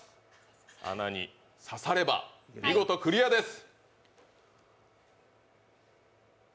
穴に刺されば見事クリアです。